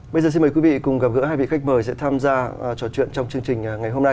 bây giờ xin mời quý vị cùng gặp gỡ hai vị khách mời sẽ tham gia trò chuyện trong chương trình ngày hôm nay